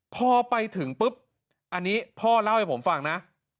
พอไปถึงปุ๊บอันนี้พ่อเล่าให้ผมฟังนะ